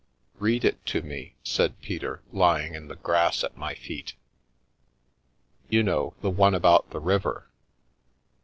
" Read it to me," said Peter, lying in the grass at my feet ;" you know, the one about the river."